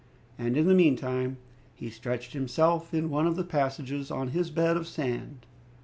And, in the meantime, he stretched himself in one of the passages on his bed of sand.